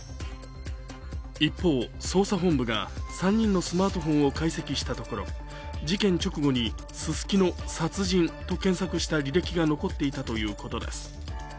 一方、捜査本部が３人のスマートフォンを解析したところ、事件直後に「すすきの殺人」と検索した履歴が残っていたということです。